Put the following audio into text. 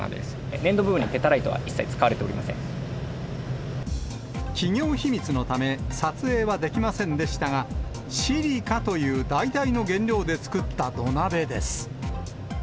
粘土部分にペタライトは一切使わ企業秘密のため、撮影はできませんでしたが、シリカという代替の原料で作った土鍋です。